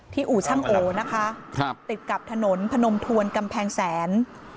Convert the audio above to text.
อู่ช่างโอนะคะติดกับถนนพนมทวนกำแพงแสน